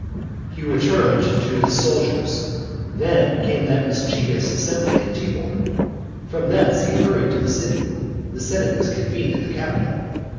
He returned to his soldiers; then came that mischievous assembly at Tibur. From thence he hurried to the city; the senate was convened at the Capitol.